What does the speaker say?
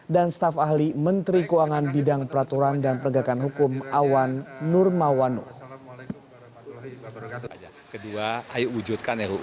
dan staf ahli menteri keuangan bidang peraturan dan pergakan hukum awan nurmawano